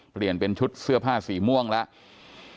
เปลี่ยนเป็นชุดเสื้อผ้าสีม่วงแล้ว